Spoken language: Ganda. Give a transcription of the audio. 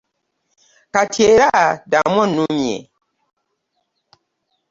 Kati era ddamu onnumye.